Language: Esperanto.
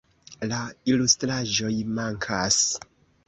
La ilustraĵoj mankas.